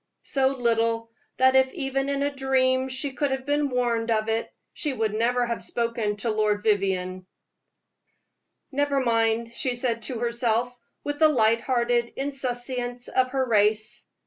So little that if even in a dream she could have been warned of it, she would never have spoken to Lord Vivianne. "Never mind," she said to herself, with the light hearted insouciance of her race.